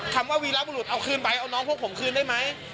คำว่าวีรบุรุษเอาคืนไปเอาน้องพวกผมคืนได้ไหม